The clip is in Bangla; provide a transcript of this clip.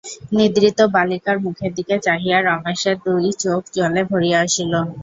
নিদ্রিত বালিকার মুখের দিকে চাহিয়া রমেশের দুই চোখ জলে ভরিয়া আসিল।